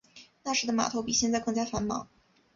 那时的码头比现在更加繁忙。